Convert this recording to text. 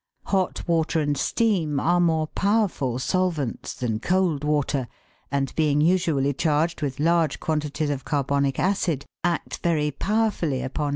Hot water and steam are more power ful solvents than cold water, and being usually charged with large quantities of carbonic acid, act very powerfully upon 88 THE WORLD'S LUMBER J?OOM.